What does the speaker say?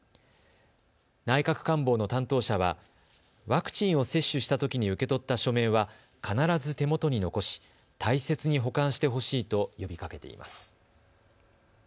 内閣官房の担当者はワクチンを接種したときに受け取った書面は必ず手元に残し大切に保管してほしいと呼びかけています。